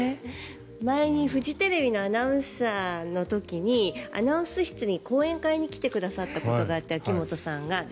前にフジテレビのアナウンサーの時にアナウンス室に講演会に来てくださったことがあって、秋元さんが。